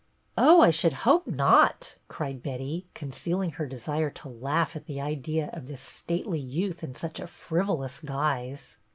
" Oh, I should hope not !" cried Betty, concealing her desire to laugh at the idea of this stately youth in such a frivolous guise.